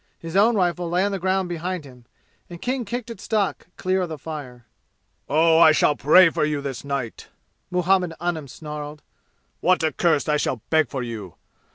His own rifle lay on the ground behind him, and King kicked its stock clear of the fire. "Oh, I shall pray for you this night!" Muhammad Anim snarled. "What a curse I shall beg for you!